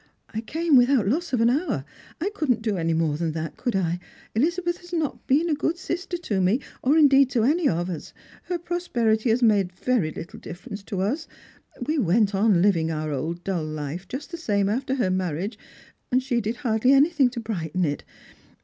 I came without OSS of an hour; I couldn't do any more than that, could I? 348 Strangers and Pilgrims. Elizabetli has not been a good sisier to me, or indeed to any of us. Her prosperity has made very httle difference to us ; we went on living our old dull life just the same after her marriage, and she did hardly anything to brighten it.